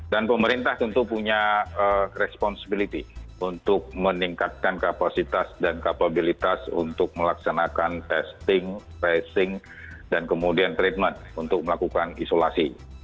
dan pemerintah tentu punya responsibilty untuk meningkatkan kapasitas dan kapabilitas untuk melaksanakan testing tracing dan kemudian treatment untuk melakukan isolasi